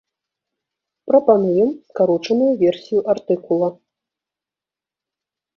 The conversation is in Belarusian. Прапануем скарочаную версію артыкула.